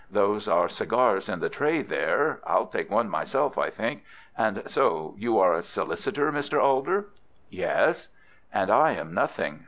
Those are cigars in the tray there. I'll take one myself, I think. And so you are a solicitor, Mr. Alder?" "Yes." "And I am nothing.